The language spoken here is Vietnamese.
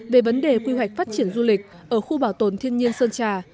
về vấn đề quy hoạch phát triển du lịch ở khu bảo tồn thiên nhiên sơn trà